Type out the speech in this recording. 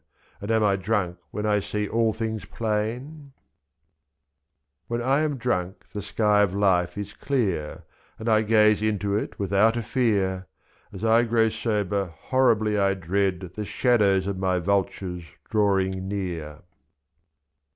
And am I drunk when I see all things plain ? When I am drunk the sky of life is clear. And I gaze into it without a fear, 2 3^ As I grow sober horribly I dread The shadows of my vultures drawing near.